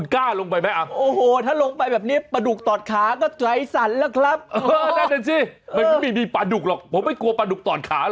กลัวไอ้แค่นี่แหละจะมาคับขา